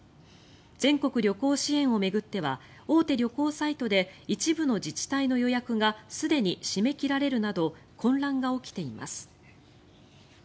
全国旅行支援を巡っては大手旅行サイトで一部の自治体の予約がすでに締め切られるなど混乱が起きています。